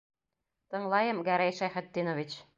Тыңлайым, Гәрәй Шәйхетдинович!..